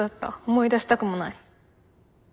思い出したくもない。